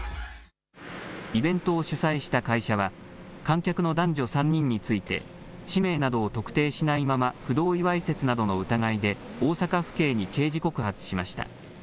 イベントを主催した会社は観客の男女３人について氏名などを特定しないまま不同意わいせつなどの疑いで大阪府警に刑事告発しました。